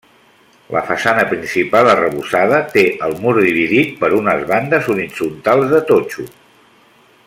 La façana principal, arrebossada, té el mur dividit per unes bandes horitzontals de totxo.